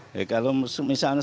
ya kalau misalnya sekarang